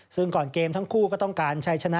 ซึ่งก่อนเกมทั้งคู่ก็ต้องการใช้ชนะ